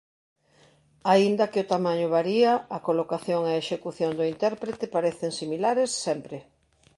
Aínda que o tamaño varía a colocación e execución do intérprete parecen similares sempre.